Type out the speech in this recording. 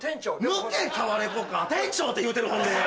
抜けタワレコ感店長っていうてるほんで。